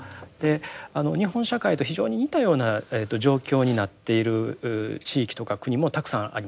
日本社会と非常に似たような状況になっている地域とか国もたくさんあります。